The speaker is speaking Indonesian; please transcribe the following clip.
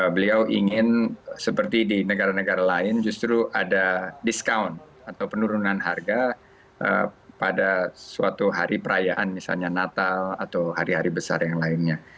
beliau ingin seperti di negara negara lain justru ada discount atau penurunan harga pada suatu hari perayaan misalnya natal atau hari hari besar yang lainnya